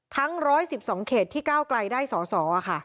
ทั้ง๑๑๒เขตที่ก้าวไกลได้สอสอค่ะ